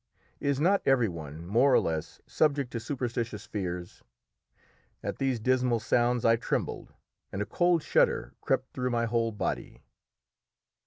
Is not every one, more or less, subject to superstitious fears? At these dismal sounds I trembled, and a cold shudder crept through my whole body.